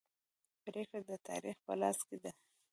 پریکړه د تاریخ په لاس کې ده.